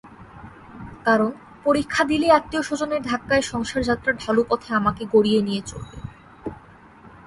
কারণ, পরীক্ষা দিলেই আত্মীয়স্বজনের ধাক্কায় সংসারযাত্রার ঢালু পথে আমাকে গড়িয়ে নিয়ে চলবে।